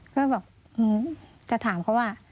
ก็แบบจะถามเขาว่า